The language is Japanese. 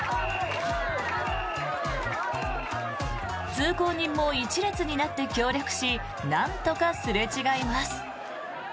通行人も１列になって協力しなんとかすれ違います。